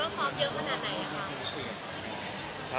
สรุปแล้วคอมเยอะขนาดไหนครับ